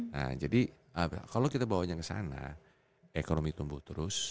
nah jadi kalau kita bawanya ke sana ekonomi tumbuh terus